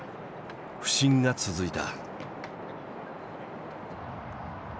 不振が続いた。